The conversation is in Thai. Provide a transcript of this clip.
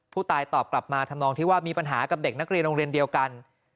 ผู้ตายตอบกลับมาทำนองที่ว่ามีปัญหากับเด็กนักเรียนโรงเรียนเดียวกัน